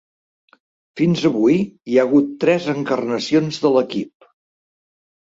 Fins avui, hi ha hagut tres encarnacions de l'equip.